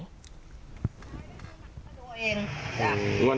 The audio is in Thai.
เขาดูเอง